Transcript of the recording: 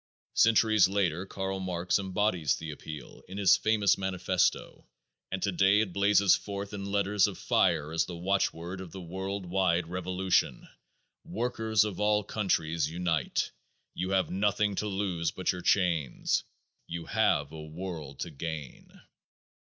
Centuries later Karl Marx embodies the appeal in his famous manifesto and today it blazes forth in letters of fire as the watchword of the world wide revolution: "_Workers of all countries unite: you have nothing to lose but your chains. You have a world to gain.